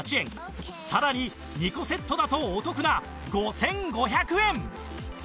さらに２個セットだとお得な５５００円